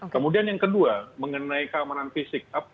kemudian yang kedua mengenai keamanan fisik